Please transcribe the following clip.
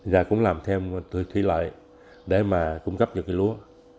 ra cũng làm thêm thủy lợi để mà cung cấp cho cây lúa